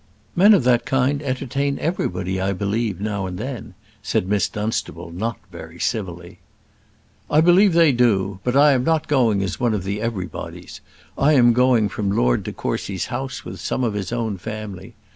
"Men of that kind entertain everybody, I believe, now and then," said Miss Dunstable, not very civilly. "I believe they do; but I am not going as one of the everybodies. I am going from Lord de Courcy's house with some of his own family.